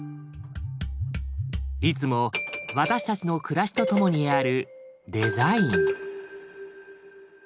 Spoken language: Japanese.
いつも私たちの暮らしとともにあるデザイン。